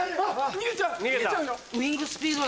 ウイングスピード。